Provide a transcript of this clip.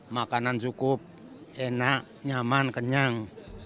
makanan cukup enak nyaman kenyang